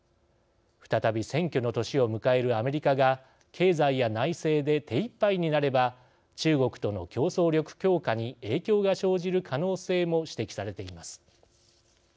再び選挙の年を迎えるアメリカが経済や内政で手一杯になれば中国との競争力強化に影響が生じる可能性も指摘されています。